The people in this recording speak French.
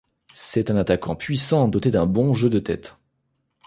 C'est un attaquant puissant, doté d'un bon jeu de tête.